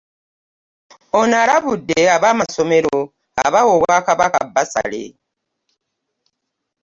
Ono alabudde ab'amasomero abawa obwakabaka bbasale